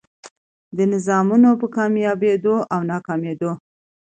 دې نظامونو په کاميابېدو او ناکامېدو